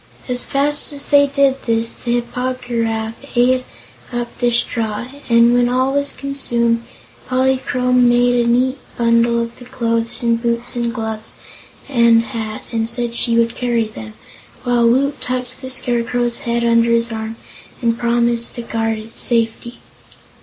As fast as they did this, the Hip po gy raf ate up the straw, and when all was consumed Polychrome made a neat bundle of the clothes and boots and gloves and hat and said she would carry them, while Woot tucked the Scarecrow's head under his arm and promised to guard its safety.